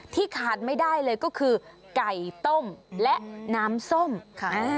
ขาดไม่ได้เลยก็คือไก่ต้มและน้ำส้มค่ะ